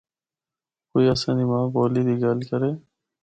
کوئی اساں دی ماں بولی دی گل کرے۔